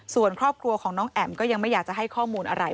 ส่วนครอบครัวของน้องแอ๋มก็ยังไม่อยากจะให้ข้อมูลอะไร